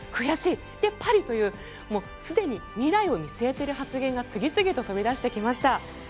そしてパリというすでに未来を見据えている発言が次々と飛び出してきました。